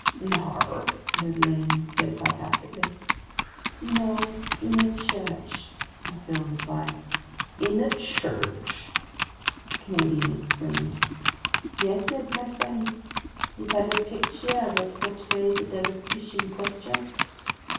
"In the harbor?" Ned Land said sarcastically. "No, in a church," Conseil replied. "In a church!" the Canadian exclaimed. "Yes, Ned my friend. It had a picture that portrayed the devilfish in question."